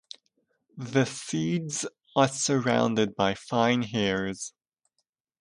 The seeds are surrounded by fine hairs.